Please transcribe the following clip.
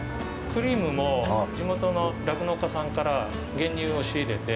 クリームも地元の酪農家さんから原乳を仕入れて。